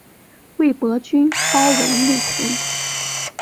魏博军包围内黄。